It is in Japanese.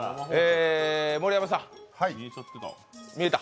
盛山さん、見えた？